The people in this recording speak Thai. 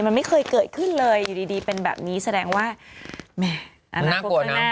มันไม่เคยเกิดขึ้นเลยอยู่ดีเป็นแบบนี้แสดงว่าแหมอนาคตข้างหน้า